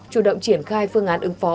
chủ động triển khai phương án ứng phó